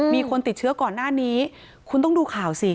มีคนติดเชื้อก่อนหน้านี้คุณต้องดูข่าวสิ